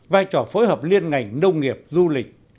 vai trò phối hợp liên ngành nông nghiệp du lịch